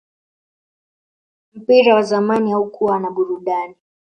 mpira wa zamani haukuwa na burudani